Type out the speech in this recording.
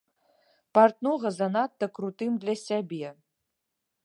Партнога занадта крутым для сябе.